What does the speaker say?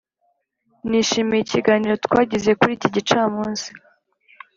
nishimiye ikiganiro twagize kuri iki gicamunsi.